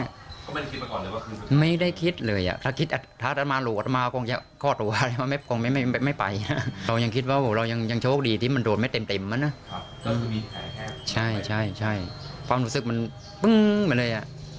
เขาไม่ได้คิดมาก่อนเลยว่าคลื่นสุดท้าย